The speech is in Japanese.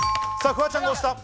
フワちゃんが押した。